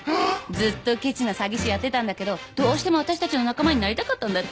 ずっとケチな詐欺師やってたんだけどどうしても私たちの仲間になりたかったんだって。